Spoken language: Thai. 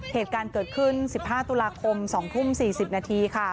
เหตุการณ์เกิดขึ้น๑๕ตุลาคม๒ทุ่ม๔๐นาทีค่ะ